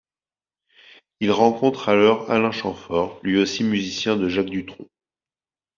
Il rencontre alors Alain Chamfort, lui aussi musicien de Jacques Dutronc.